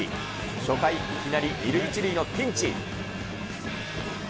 初回、いきなり２塁１塁のピンチ。